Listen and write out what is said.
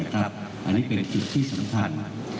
คือเป็นที่สำคัญ